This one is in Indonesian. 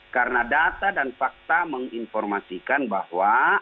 karena data dan fakta menginformasikan bahwa